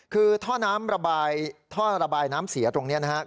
คือท่อระบายน้ำเสียตรงนี้นะครับ